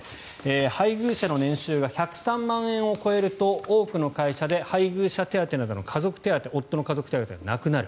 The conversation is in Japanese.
配偶者の年収が１０３万円を超えると多くの会社で配偶者手当などの夫の家族手当がなくなる。